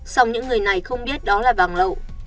song những người này không biết đó là vàng lậu